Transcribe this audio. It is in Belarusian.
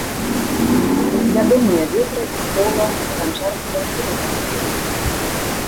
Вядомыя ветразь, кола, ганчарства, ірыгацыя.